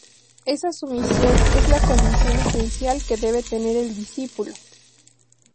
Esa sumisión es la condición esencial que debe tener el discípulo.